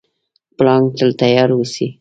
پړانګ تل تیار اوسي.